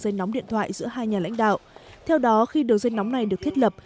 dây nóng điện thoại giữa hai nhà lãnh đạo theo đó khi đường dây nóng này được thiết lập